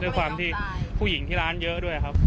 ด้วยความที่ผู้หญิงที่ร้านเยอะด้วยครับ